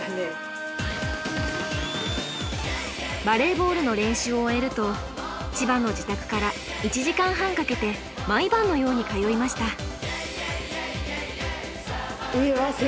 バレーボールの練習を終えると千葉の自宅から１時間半かけて毎晩のように通いました。